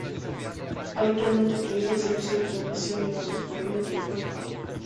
Habitualmente utiliza el servicio de transmisión de datos por vía telefónica.